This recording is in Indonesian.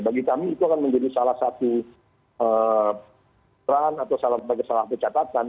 bagi kami itu akan menjadi salah satu peran atau salah satu catatan